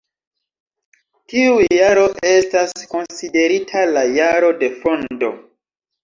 Tiu jaro estas konsiderita la jaro de fondo.